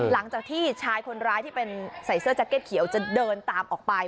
หลังจากที่ชายคนร้ายที่เป็นใส่เสื้อแจ็คเก็ตเขียวจะเดินตามออกไป